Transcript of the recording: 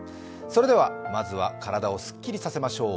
それではまずは体をすっきりさせましょう。